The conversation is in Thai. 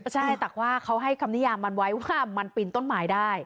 ใช่แต่ว่าเขาให้คำนิยามมันไว้ว่ามันปีนต้นไม้ได้